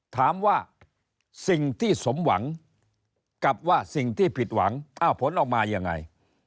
ถามว่าสิ่งที่สมหวังกับว่าสิ่งที่ผิดหวังอ้าวผลออกมายังไง